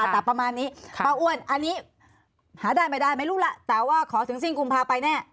แต่ประมาณนี้ป้าอ้วนอันนี้หาได้ไม่ได้ไม่รู้ล่ะแต่ว่าขอถึงสิ้นกุมภาไปแน่